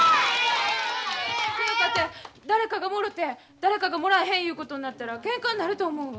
そやかて誰かがもろて誰かがもらえへんいうことになったらけんかになると思うわ。